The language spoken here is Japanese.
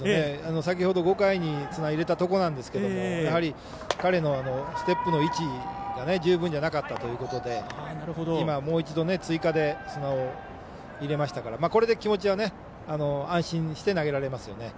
５回に砂を入れたところですが彼のステップの位置が十分じゃなかったということで今、もう一度追加で砂を入れましたからこれで気持ちは安心して投げられますよね。